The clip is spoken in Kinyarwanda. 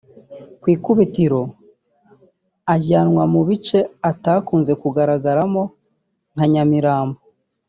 Ku ikubitiro azajyanwa mu bice atakunze kugaragaramo nka Nyamirambo